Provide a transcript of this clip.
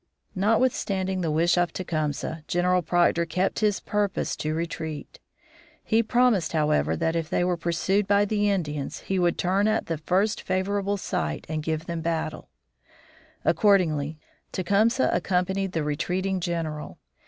Notwithstanding the wish of Tecumseh, General Proctor kept his purpose to retreat. He promised, however, that if they were pursued by the Americans he would turn at the first favorable site and give them battle. Accordingly, Tecumseh accompanied the retreating General.